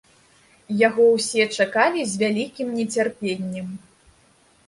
Яго ўсе чакалі з вялікім нецярпеннем.